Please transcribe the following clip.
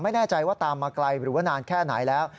ไม่แน่ใจว่าตามมาไกลหรือว่านานแค่ไหนแล้ว